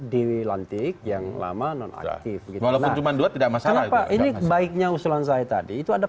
dewi lantik yang lama nonaktif gitu cuma dua tidak masalah ini baiknya usulan saya tadi itu ada